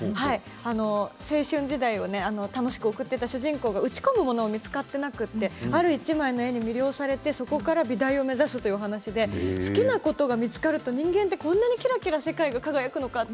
青春時代を楽しく送っていた主人公が打ち込むものが見つかっていなくてある１枚の絵に魅了されてそこから美大を目指すというお話で好きなことが見つかると人間ってこんなにキラキラ世界が輝くのかって。